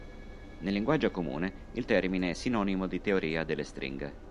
Nel linguaggio comune il termine è sinonimo di teoria delle stringhe.